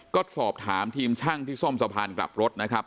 ก็สอบถามทีมช่างที่ซ่อมสะพานกลับรถนะครับ